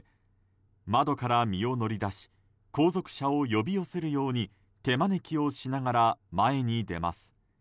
窓から身を乗り出し後続車を呼び寄せるように手招きをしながら前に出ます。